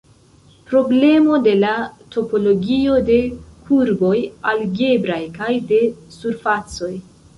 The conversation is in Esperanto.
Problemo de la topologio de kurboj algebraj kaj de surfacoj.